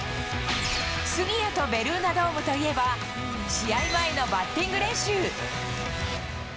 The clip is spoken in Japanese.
杉谷とベルーナドームといえば、試合前のバッティング練習。